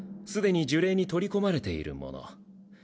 すでに呪霊に取り込まれているもの。